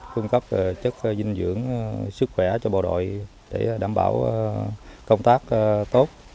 cung cấp chất dinh dưỡng sức khỏe cho bộ đội để đảm bảo công tác tốt